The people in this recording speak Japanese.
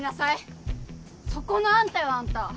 そこのあんたよあんた！